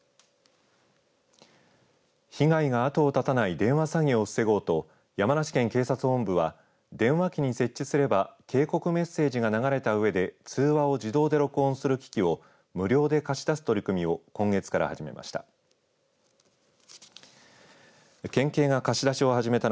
被害が後を絶たない電話詐欺を防ごうと山梨県警察本部は電話機に設置すれば警告メッセージが流れたうえで通話を自動で録音する機器を無料で貸し出す取り組みを今月から始めました。